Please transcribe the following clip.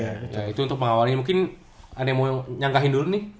ya itu untuk mengawalnya mungkin ada yang mau nyanggahin dulu nih